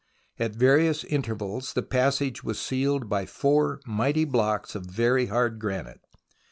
At various intervals the passage was sealed by four mighty blocks of very hard granite.